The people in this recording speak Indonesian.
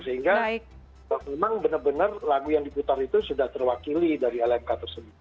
sehingga memang benar benar lagu yang diputar itu sudah terwakili dari lmk tersebut